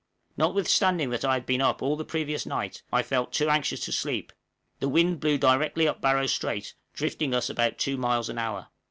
Notwithstanding that I had been up all the previous night, I felt too anxious to sleep; the wind blew directly up Barrow Strait, drifting us about two miles an hour.